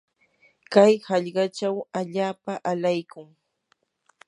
kay hallqachaw allaapam alaykun.